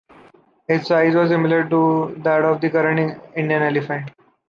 Its size was similar to that of the current Indian elephant.